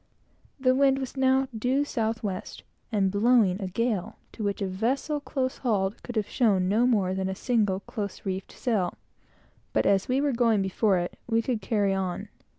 The wind was now due south west, and blowing a gale to which a vessel close hauled could have shown no more than a single close reefed sail; but as we were going before it, we could carry on.